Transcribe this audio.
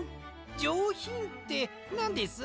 じょうひんってなんです？